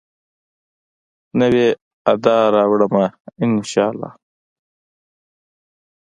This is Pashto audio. نوي ادا راوړمه، ان شاالله